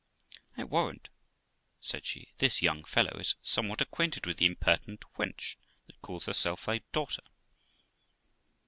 'I warrant', said she, 'this young fellow is somewhat acquainted with the impertinent wench that calls herself thy daughter.'